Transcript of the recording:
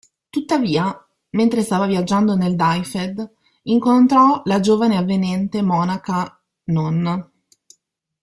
Tuttavia, mentre stava viaggiando nel Dyfed, incontrò la giovane e avvenente monaca Non.